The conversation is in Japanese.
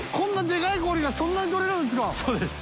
そうです。